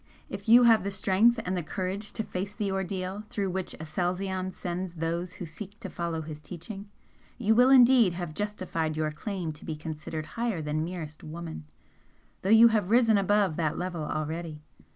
If you have the strength and the courage to face the ordeal through which Aselzion sends those who seek to follow his teaching, you will indeed have justified your claim to be considered higher than merest woman, though you have risen above that level already.